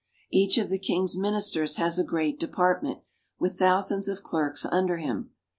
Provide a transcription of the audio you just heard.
Each of the king's ministers has a great department, with thousands of clerks under him.